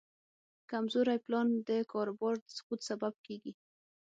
کمزوری پلان د کاروبار د سقوط سبب کېږي.